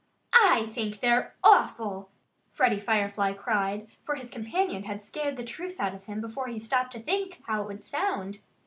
"I think they're awful!" Freddie Firefly cried; for his companion had scared the truth out of him before he stopped to think how it would sound.